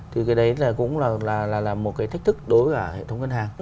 thì cái đấy cũng là một cái thách thức đối với hệ thống ngân hàng